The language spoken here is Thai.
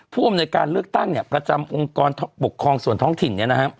ผู้อำนวยการเลือกตั้งประจำองค์กรปกครองส่วนท้องถิ่น